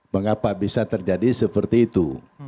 mengapa bisa terjadi seperti itu